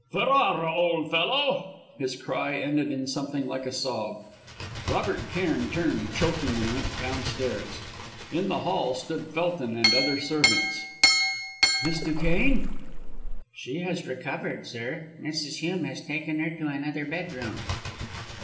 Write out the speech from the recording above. "Ferrara, old fellow " His cry ended in something like a sob. Robert Cairn turned, choking, and went downstairs. In the hall stood Felton and some other servants. "Miss Duquesne?" "She has recovered, sir. Mrs. Hume has taken her to another bedroom."